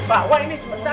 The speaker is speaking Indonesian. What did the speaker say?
bawa ini sebentar